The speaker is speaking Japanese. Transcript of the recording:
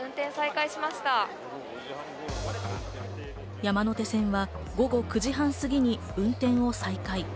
山手線は午後９時半すぎに運転を再開。